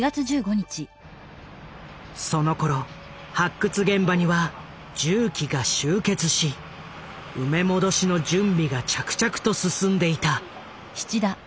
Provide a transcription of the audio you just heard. そのころ発掘現場には重機が集結し埋め戻しの準備が着々と進んでいた。